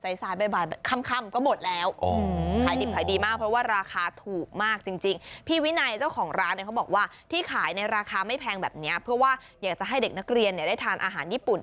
อยากจะให้เด็กนักเรียนเนี่ยได้ทานอาหารญี่ปุ่น